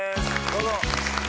どうぞ！